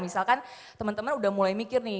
misalkan temen temen udah mulai mikir nih